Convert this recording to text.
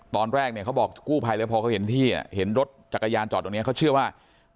ตอนแรกเนี่ยเขาบอกกู้ภัยเลยพอเขาเห็นที่เห็นรถจักรยานจอดตรงนี้เขาเชื่อว่า